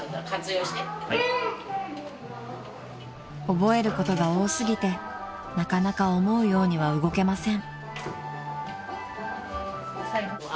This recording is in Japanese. ［覚えることが多すぎてなかなか思うようには動けません］